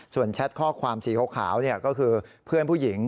ส่วนแชทข้อความสีขาวก็คือเพื่อนผู้หญิง